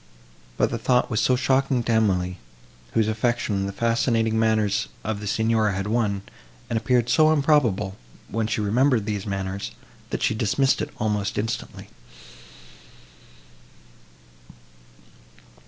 But the thought was so shocking to Emily, whose affection the fascinating manners of the Signora had won, and appeared so improbable, when she remembered these manners, that she dismissed it almost instantly.